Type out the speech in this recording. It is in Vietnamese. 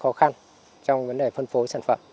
không ít khó khăn trong vấn đề phân phối sản phẩm